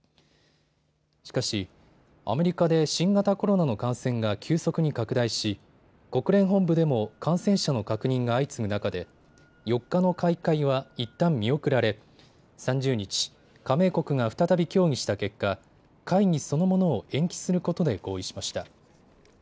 しかし、アメリカで新型コロナの感染が急速に拡大し国連本部でも感染者の確認が相次ぐ中で４日の開会はいったん見送られ３０日、加盟国が再び協議した結果会議そのものを延期することで合意しました。